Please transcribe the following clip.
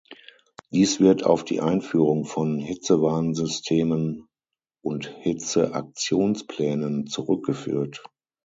Dies wird auf die Einführung von Hitzewarnsystemen und Hitzeaktionsplänen zurückgeführt.